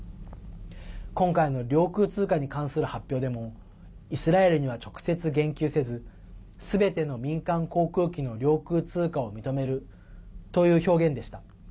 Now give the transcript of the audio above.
今回の領空通過に関する発表でもイスラエルには直接、言及せずすべての民間航空機の領空通過を認めるという表現でした。